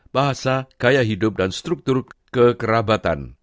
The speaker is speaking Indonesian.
bahasa gaya hidup dan struktur kekerabatan